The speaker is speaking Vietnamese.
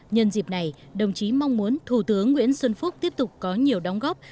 nhân dịp này đồng chí mong muốn thủ tướng nguyễn xuân phúc tiếp tục có nhiều đóng góp